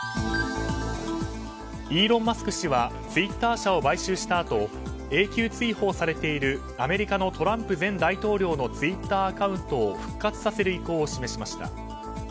イーロン・マスク氏はツイッター社を買収したあと永久追放されているアメリカのトランプ前大統領のツイッターアカウントを復活させる意向を示しました。